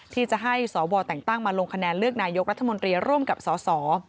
ที่จะให้สวแต่งตั้งมาลงคะแนนเลือกนายกรัฐมนตรีร่วมกับสส